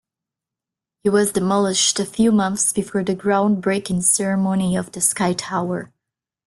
It was demolished a few months before the groundbreaking ceremony of the sky tower.